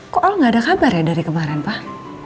kok al gak ada kabar ya dari kemarin pak